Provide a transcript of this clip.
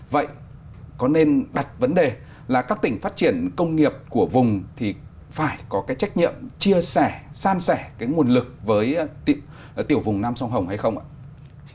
vậy có nên đặt vấn đề là các tỉnh phát triển công nghiệp của vùng thì phải có cái trách nhiệm chia sẻ san sẻ cái nguồn lực với tiểu vùng nam sông hồng hay không ạ